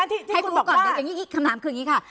คำถามคืออย่างนี้ค่ะ